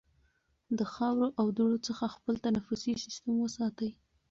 د خاورو او دوړو څخه خپل تنفسي سیستم وساتئ.